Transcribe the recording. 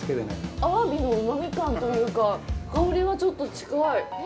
アワビのうまみ感というか、香りはちょっと近い。